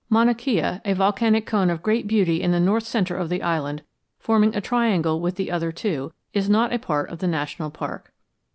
Mauna Kea, a volcanic cone of great beauty in the north centre of the island, forming a triangle with the other two, is not a part of the national park.